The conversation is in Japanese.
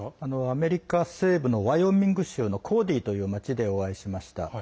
アメリカ西部のワイオミング州のコーディという町でお会いしました。